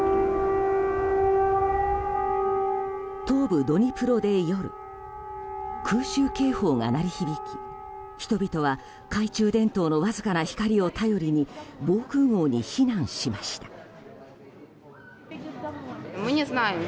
東部ドニプロで夜空襲警報が鳴り響き人々は懐中電灯のわずかな光を頼りに防空壕に避難しました。